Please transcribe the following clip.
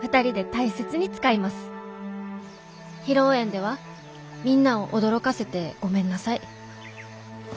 「披露宴ではみんなを驚かせてごめんなさい」。